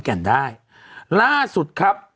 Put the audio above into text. กันนี่ได้